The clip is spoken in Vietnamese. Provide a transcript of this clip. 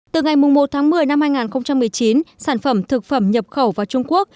từ ngày một tháng một mươi năm hai nghìn một mươi chín sản phẩm thực phẩm nhập khẩu vào trung quốc